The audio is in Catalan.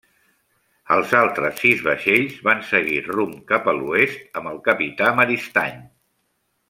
Els altres sis vaixells van seguir rumb cap a l'oest amb el capità Maristany.